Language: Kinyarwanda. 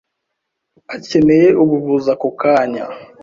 akeneye ubuvuzi ako kanya.